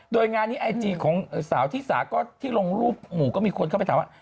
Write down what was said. โดยงานนี้ไอจีของสาวที่สาก็ที่ลงรูปหมู่ก็มีคนเข้าไปถามว่า